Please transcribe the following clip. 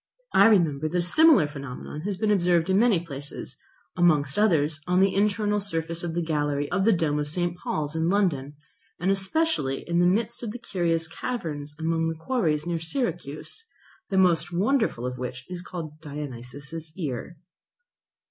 I remember that a similar phenomenon has been observed in many places; amongst others on the internal surface of the gallery of the dome of St. Paul's in London, and especially in the midst of the curious caverns among the quarries near Syracuse, the most wonderful of which is called Dionysius' Ear.